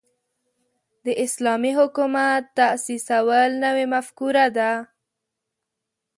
د اسلامي حکومت تاسیسول نوې مفکوره ده.